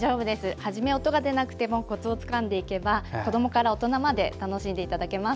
はじめ、音が出なくてもコツをつかんでいけば子どもから大人まで楽しんでいただけます。